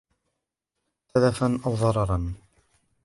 تَلَفًا أَوْ ضَرَرًا